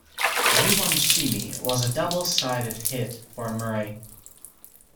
"You Won't See Me" was a double-sided hit for Murray.